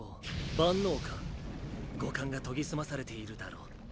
万能感五感が研ぎ澄まされているだろ。